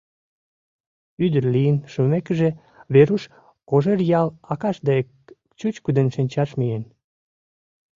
Ӱдыр лийын шумекыже, Веруш Кожеръял акаж дек чӱчкыдын шинчаш миен.